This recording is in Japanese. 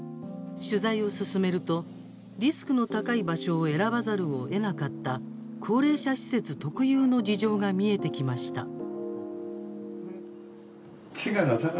取材を進めるとリスクの高い場所を選ばざるをえなかった高齢者施設特有の事情が見えてきました。